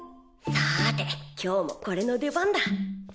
さて今日もこれの出番だ。